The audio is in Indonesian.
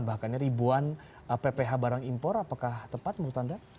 bahkan ya ribuan pph barang impor apakah tepat menurut anda